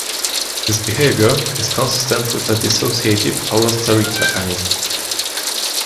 This behavior is consistent with a dissociative allosteric mechanism.